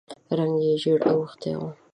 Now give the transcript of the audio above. رنګ یې ژېړ اوښتی و.